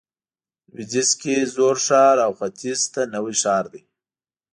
لویدیځ کې زوړ ښار او ختیځ ته نوی ښار دی.